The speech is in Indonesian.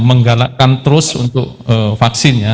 menggalakkan terus untuk vaksinnya